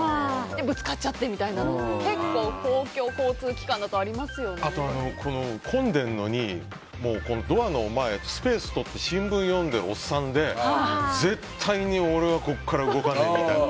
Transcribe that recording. ぶつかっちゃってみたいなの結構、公共交通機関だとあとは混んでるのにドアの前スペースを取って新聞を読んでるおっさんで、絶対に俺はここから動かないみたいな。